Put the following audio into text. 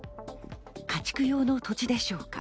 家畜用の土地でしょうか？